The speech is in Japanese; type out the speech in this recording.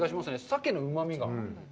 鮭のうまみが。